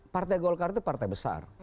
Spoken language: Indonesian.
partai golkar itu partai besar